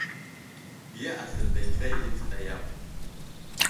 Giya aslər dayday i nzəɗa yakw.